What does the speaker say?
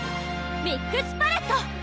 ミックスパレット！